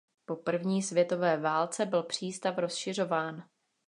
Po první světové válce byl přístav rozšiřován.